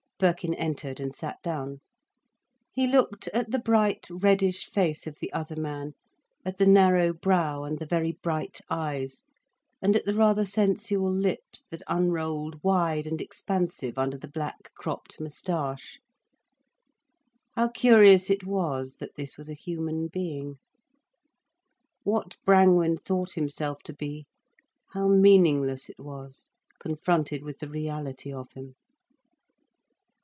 Birkin entered and sat down. He looked at the bright, reddish face of the other man, at the narrow brow and the very bright eyes, and at the rather sensual lips that unrolled wide and expansive under the black cropped moustache. How curious it was that this was a human being! What Brangwen thought himself to be, how meaningless it was, confronted with the reality of him.